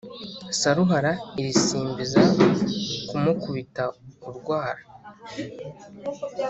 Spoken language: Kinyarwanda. Saruhara irisimbiza kumukubita urwara.